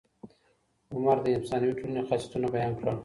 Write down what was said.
هومر د افسانوي ټولني خاصيتونه بیان کړل.